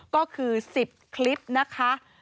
ก็คือ๑๐คลิปนะคะ